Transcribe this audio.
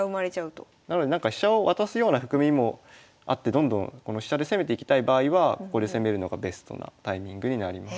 なのでなんか飛車を渡すような含みもあってどんどんこの飛車で攻めていきたい場合はここで攻めるのがベストなタイミングになります。